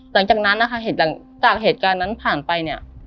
หลังจากนั้นนะคะจากเหตุการณ์นั้นผ่านไป